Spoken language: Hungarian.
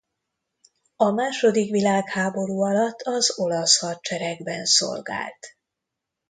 A második világháború alatt az olasz hadseregben szolgált.